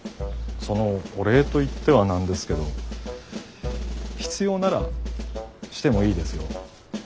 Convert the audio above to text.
そのお礼と言ってはなんですけど必要ならしてもいいですよ。